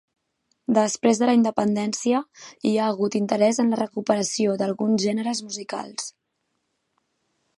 Després de la independència, hi ha hagut interès en la recuperació d'alguns gèneres musicals.